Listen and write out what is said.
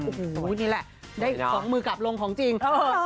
โอ้โหนี่แหละได้ของมือกลับลงของจริง